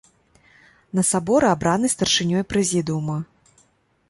На саборы абраны старшынёй прэзідыума.